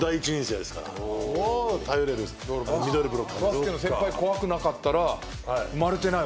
バスケの先輩怖くなかったら生まれてない。